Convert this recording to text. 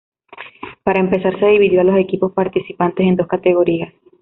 Para empezar se dividió a los equipos participantes en dos categorías.